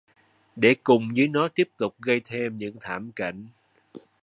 Để cùng với nó tiếp tục gây thêm những thảm cảnh